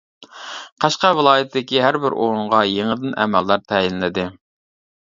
قەشقەر ۋىلايىتىدىكى ھەربىر ئورۇنغا يېڭىدىن ئەمەلدار تەيىنلىدى.